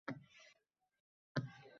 Diqqatni jamlash.